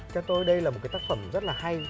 theo tôi đây là một cái tác phẩm rất là hay